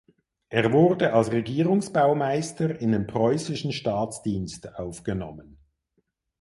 Er wurde als Regierungsbaumeister in den preußischen Staatsdienst aufgenommen.